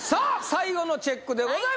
最後のチェックでございます